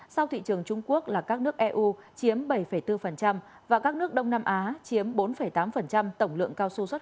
sau thị trường trung quốc là các nước eu chiếm bảy bốn và các nước đông nam á chiếm bốn tám tổng lượng